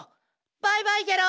バイバイゲロ！